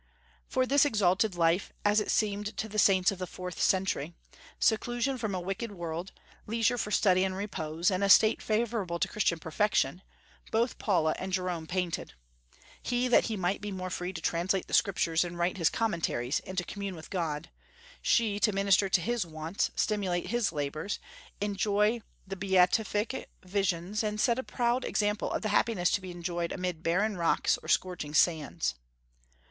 For this exalted life, as it seemed to the saints of the fourth century, seclusion from a wicked world, leisure for study and repose, and a state favorable to Christian perfection, both Paula and Jerome panted: he, that he might be more free to translate the Scriptures and write his commentaries, and to commune with God; she, to minister to his wants, stimulate his labors, enjoy the beatific visions, and set a proud example of the happiness to be enjoyed amid barren rocks or scorching sands.